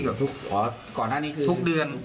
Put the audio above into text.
อ๋อก่อนหน้านี้คือทุกเดือน